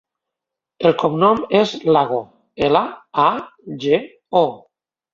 El cognom és Lago: ela, a, ge, o.